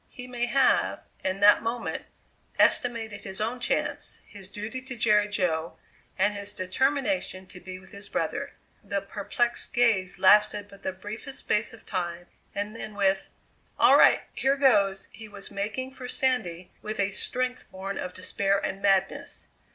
He may have, in that moment, estimated his own chance, his duty to Jerry Jo, and his determination to be with his brother. The perplexed gaze lasted but the briefest space of time and then with: "All right! here goes!" he was making for Sandy with a strength born of despair and madness.